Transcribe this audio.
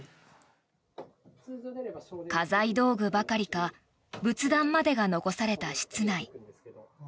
家財道具ばかりか仏壇までが残された室内。